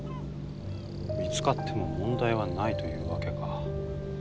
見つかっても問題はないという訳か。